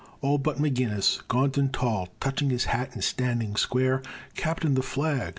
All but McGinnis. Gaunt and tall, Touching his hat, and standing square: "Captain, the Flag."